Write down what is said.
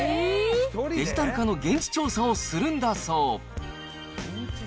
デジタル化の現地調査をするんだそう。